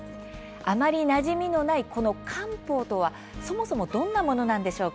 あまりなじみのないこの官報とはそもそもどんなものなのでしょう。